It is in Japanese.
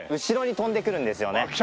後ろに飛んでくるんですよね。